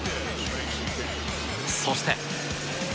そして。